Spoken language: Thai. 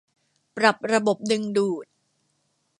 ปรับระบบดึงดูด